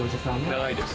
長いです。